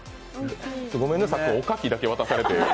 ごめんね、さっきおかきだけ渡されて。